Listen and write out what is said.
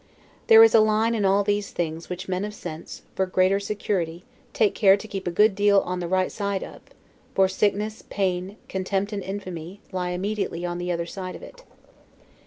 There is a line in all these things which men of sense, for greater security, take care to keep a good deal on the right side of; for sickness, pain, contempt and infamy, lie immediately on the other side of it.